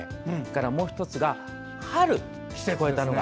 もう１つが春、聞こえたのが。